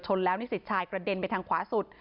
แล้วนิสิตชายกระเด็นไปทางขวาสุด